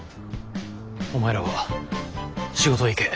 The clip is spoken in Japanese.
お前らは仕事へ行け。